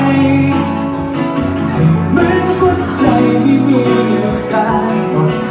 ให้เหมือนกว่าใจไม่มีโอกาส